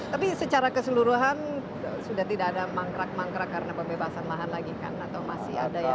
tapi secara keseluruhan sudah tidak ada mangkrak mangkrak karena pembebasan lahan lagi kan atau masih ada ya